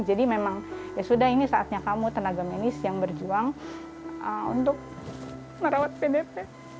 jadi memang ya sudah ini saatnya kamu tenaga menis yang berjuang untuk merawat pdp